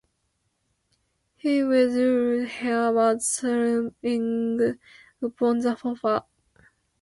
He, with ruffled hair, was sulking upon the sofa.